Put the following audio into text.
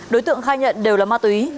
đối tượng khai nhận đều là ma túy